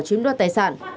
chiếm đoạt tài sản